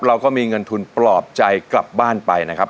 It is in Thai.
เราก็มีเงินทุนปลอบใจกลับบ้านไปนะครับ